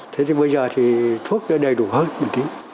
thế thì bây giờ thì thuốc nó đầy đủ hơn một tí